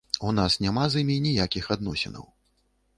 У нас няма з імі ніякіх адносінаў.